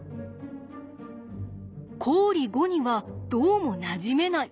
公理５にはどうもなじめない。